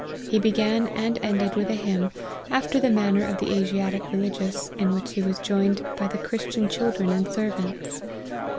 He began and ended with a hymn, after the manner of the Asiatic religious, in which he was joined by the Christian children and servants.